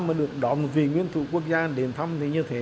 mà được đón một vị nguyên thủ quốc gia đến thăm thì như thế